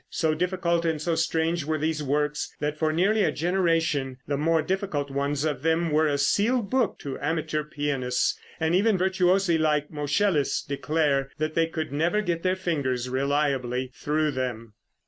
So difficult and so strange were these works, that for nearly a generation the more difficult ones of them were a sealed book to amateur pianists, and even virtuosi like Moscheles declare that they could never get their fingers reliably through them.